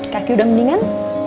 kaki udah mendingan